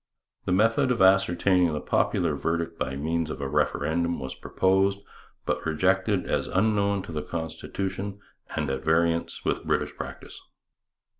The method of ascertaining the popular verdict by means of a referendum was proposed, but rejected as unknown to the constitution and at variance with British practice.